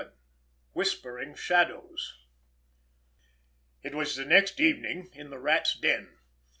VII—WHISPERING SHADOWS It was the next evening—in the Rat's den.